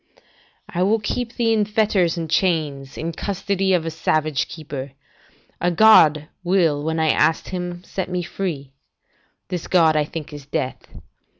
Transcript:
["I will keep thee in fetters and chains, in custody of a savage keeper. A god will when I ask Him, set me free. This god I think is death.